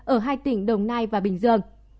ở hai tỉnh đồng nai và bình dương